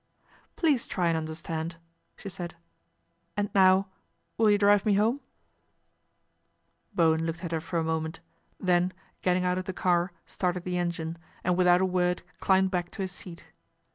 " Please try and understand," she said, " and now will you drive me home ?" Bowen looked at her for a moment, then, getting out of the car, started the engine, and with out a word climbed back to his seat.